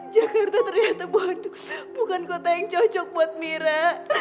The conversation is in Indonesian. jakarta ternyata bukan kota yang cocok buat mira